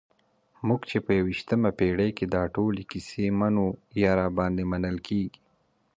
موږ چې په یویشتمه پېړۍ کې دا ټولې کیسې منو یا راباندې منل کېږي.